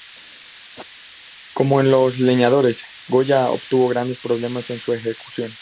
Como en "Los leñadores", Goya obtuvo grandes problemas en su ejecución.